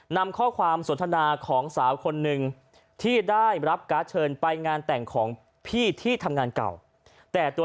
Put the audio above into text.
นำข้อความสนทนาของสาวคนหนึ่งที่ได้รับการ์ดเชิญไปงานแต่งของพี่ที่ทำงานเก่าแต่ตัว